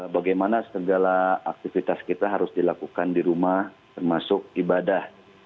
bagaimana segala aktivitas kita harus dilakukan di rumah termasuk ibadah